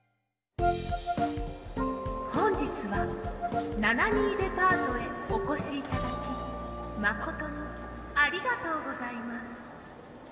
「ほんじつは７２デパートへおこしいただきまことにありがとうございます」。